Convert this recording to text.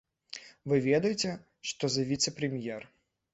Вы ведаеце, што за віцэ-прэм'ер.